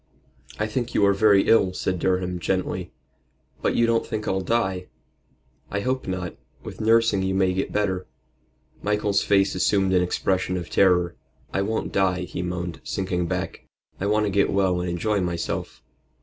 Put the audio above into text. "I think you are very ill," said Durham, gently. "But you don't think I'll die?" "I hope not. With nursing you may get better." Michael's face assumed an expression of terror. "I won't die," he moaned, sinking back. "I want to get well and enjoy myself."